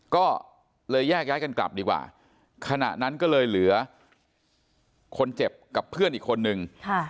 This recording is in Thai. ก็เลยแยกย้ายกันกลับดีกว่าขณะนั้นก็เลยเหลือคนเจ็บกับเพื่อนอีกคนนึง